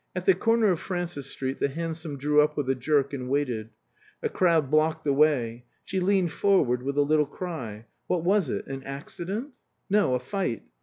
At the corner of Francis Street the hansom drew up with a jerk and waited. A crowd blocked the way. She leaned forward with a little cry. What was it? An accident? No; a fight.